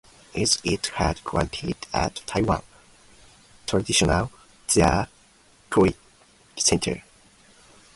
It is headquartered at Taiwan Traditional Theatre Center.